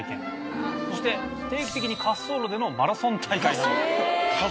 そして定期的に滑走路でのマラソン大会など。